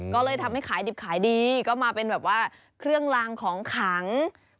ก็เลยทำให้ขายดิบขายดีก็มาเป็นแบบว่าเครื่องลางของขัง